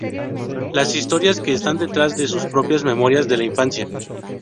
Las historias que están detrás son sus propias memorias de la infancia.